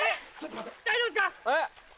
大丈夫ですか！